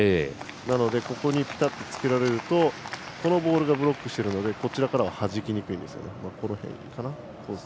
なので、ここにぴたっとつけられるとこのボールがブロックしているのではじきにくいですね。